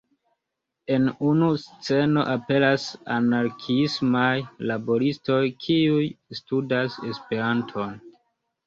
En unu sceno aperas anarkiismaj laboristoj, kiuj studas Esperanton.